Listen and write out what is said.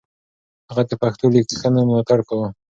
هغه د پښتو ليکنو ملاتړ کاوه.